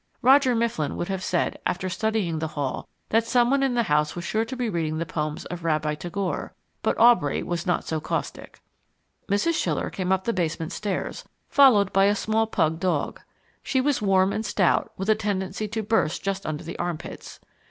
Roger Mifflin would have said, after studying the hall, that someone in the house was sure to be reading the poems of Rabbi Tagore; but Aubrey was not so caustic. Mrs. Schiller came up the basement stairs, followed by a small pug dog. She was warm and stout, with a tendency to burst just under the armpits.